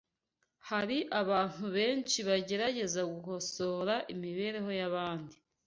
Hari abantu benshi bagerageza gukosora imibereho y’abandi